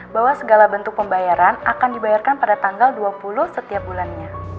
bahwa segala bentuk pembayaran akan dibayarkan pada tanggal dua puluh setiap bulannya